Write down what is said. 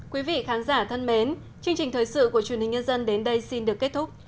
quý vị khán giả thân mến chương trình thời sự của truyền hình nhân dân đến đây xin được kết thúc